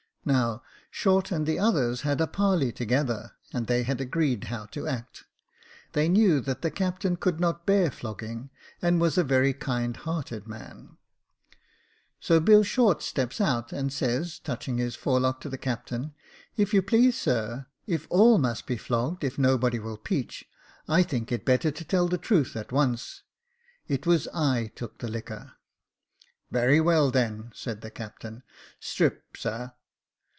Now Short and the others had a parley together, and they had agreed how to act. They knew that the captain could not bear flogging, and was a very kind hearted man. 184 Jacob Faithful So Bill Short steps out, and says, touching his forelock to the captain, * If you please, sir, if all must be flogged, if nobody will peach, I think it better to tell the truth at once. It was I who took the liquor.' "'Very well, then,' said the captain; * strip, sir.'